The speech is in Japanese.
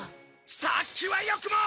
さっきはよくも！